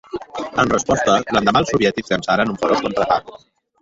En resposta, l'endemà els soviètics llançaren un feroç contraatac.